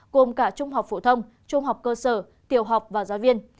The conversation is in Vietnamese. gồm cả trung học phổ thông trung học cơ sở tiểu học và giáo viên